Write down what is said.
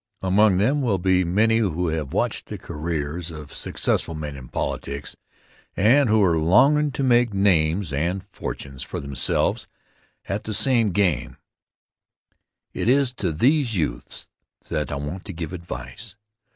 Among them will be many who have watched the careers of successful men in politics, and who are longin' to make names and fortunes for themselves at the same game It is to these youths that I want to give advice.